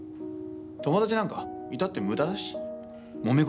友達なんかいたって無駄だしもめ事とか起こるし。